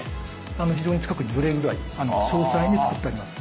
非常に近くに寄れるぐらい詳細に作ってあります。